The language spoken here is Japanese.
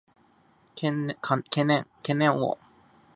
懸念を抱かざるを得ない